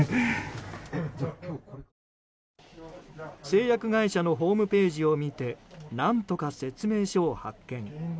製薬会社のホームページを見て何とか説明書を発見。